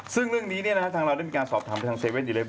ซึ่งเรื่องนี้ทางเราได้มีการสอบถามไปทาง๗๑๑